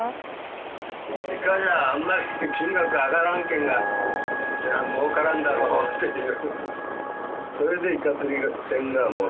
イカじゃああんまり金額が上がらんけんがそりゃ儲からんだろうっていう。